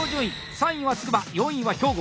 ３位はつくば４位は兵庫。